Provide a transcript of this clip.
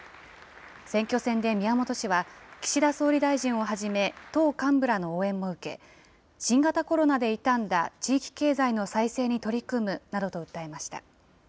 選挙戦で宮本氏は、岸田総理大臣をはじめ、党幹部らの応援も受け、新型コロナで傷んだ地域経済の再生に取り組むなどと訴えました。